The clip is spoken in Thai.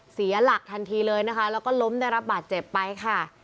เสียหลักทันทีเลยนะคะแล้วก็ล้มได้รับบาดเจ็บไปค่ะ